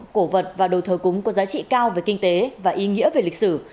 cổ vật và đồ thờ cúng có giá trị cao về kinh tế và ý nghĩa về lịch sử